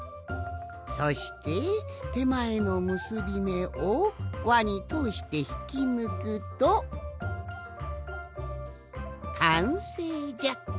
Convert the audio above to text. そしててまえのむすびめをわにとおしてひきぬくとかんせいじゃ。